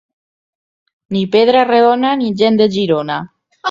Ni pedra rodona, ni gent de Girona.